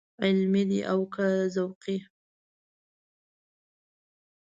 علمي دی او که ذوقي.